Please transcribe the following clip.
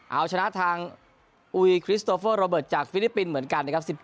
เอาชนะทางอุยคริสโตเฟอร์โรเบิร์ตจากฟิลิปปินส์เหมือนกันนะครับ